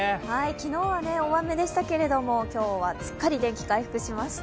昨日は大雨でしたけれども、今日はすっかり天気回復しました。